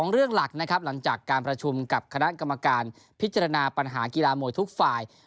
เรื่องหลักนะครับหลังจากการประชุมกับคณะกรรมการพิจารณาปัญหากีฬามวยทุกฝ่าย